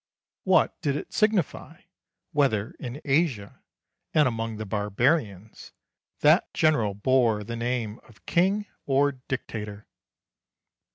What did it signify whether in Asia, and among the barbarians, that general bore the name of King or Dictator?